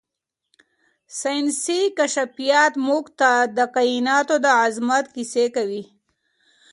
ساینسي کشفیات موږ ته د کائناتو د عظمت کیسې کوي.